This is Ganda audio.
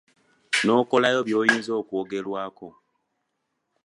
Nokolayo by’oyinza okwogerakwo.